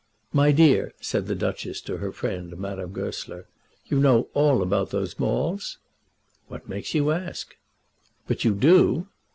"My dear," said the Duchess to her friend, Madame Goesler, "you know all about those Maules?" "What makes you ask?" "But you do?"